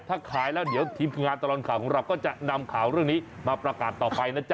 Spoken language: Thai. ถ้าขายแล้วเดี๋ยวทีมงานตลอดข่าวของเราก็จะนำข่าวเรื่องนี้มาประกาศต่อไปนะจ๊